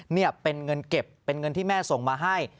นี่เป็นเงินเก็บเป็นเงินที่แม่ส่งมาให้